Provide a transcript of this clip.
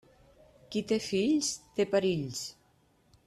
Qui té fills, té perills.